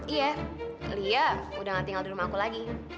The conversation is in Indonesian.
iya lia udah gak tinggal di rumahku lagi